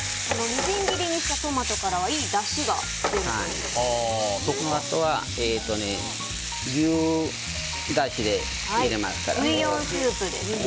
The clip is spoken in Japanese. みじん切りにしたトマトからはいいだしが出るんですね。